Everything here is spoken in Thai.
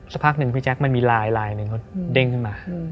สักพักหนึ่งพี่แจ๊คมันมีลายลายหนึ่งเขาเด้งขึ้นมา